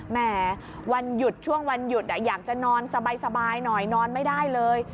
แหมวันหยุดช่วงวันหยุดอยากจะนอนสบายหน่อยนอนไม่ได้เลย